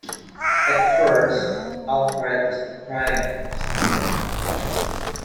At first, Alfred is the prime suspect.